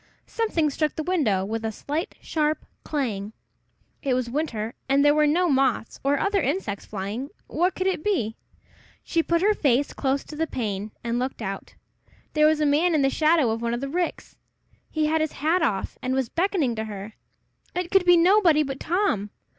Something struck the window with a slight, sharp clang. It was winter, and there were no moths or other insects flying, What could it be? She put her face close to the pane, and looked out. There was a man in the shadow of one of the ricks! He had his hat off, and was beckoning to her. It could be nobody but Tom!